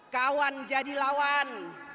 kawan jadi lawan